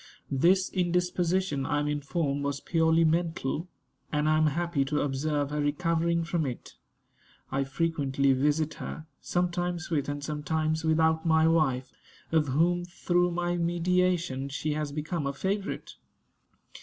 This indisposition, I am informed, was purely mental; and I am happy to observe her recovering from it. I frequently visit her, sometimes with and sometimes without my wife, of whom, through my mediation, she has become a favorite.